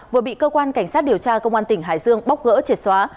vừa bị cơ quan cảnh sát điều tra công an tỉnh hải dương bóc gỡ triệt xóa